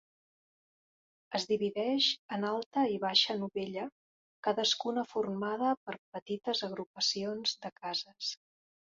Es divideix en Alta i Baixa Novella, cadascuna formada per petites agrupacions de cases.